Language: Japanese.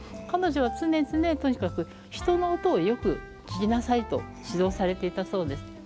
彼女は常々とにかく「人の音をよく聴きなさい」と指導されていたそうです。